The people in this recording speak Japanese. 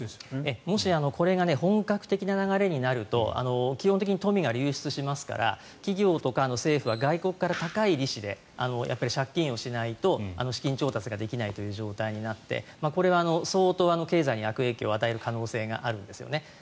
もしこれが本格的な流れになると基本的に富が流出しますから企業とか政府は外国から高い利子で借金をしないと資金調達ができないという状態になってこれは相当、経済に悪影響を与える可能性があるんですよね。